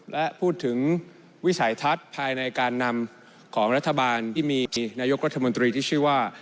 และพูดถึงวิสัยทัศน์ภายในการนำของรัฐบาลที่มีนายกรัฐมนตรีที่ชื่อว่า